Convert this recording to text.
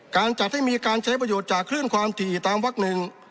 การจัดให้มีการใช้ประโยชน์จากคลื่นความถี่ตามวักหนึ่ง